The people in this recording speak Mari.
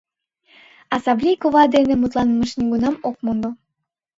А Савлий кува дене мутланымыжым нигунам ок мондо.